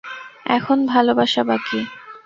এখন ভালবাসা বাকি।